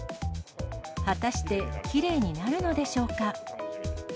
果たしてきれいになるのでしょうか。